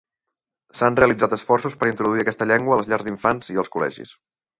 S'han realitzat esforços per introduir aquesta llengua a les llars d'infants i als col·legis.